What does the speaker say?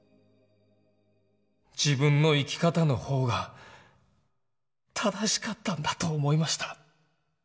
自分の生き方の方が正しかったんだと思いました。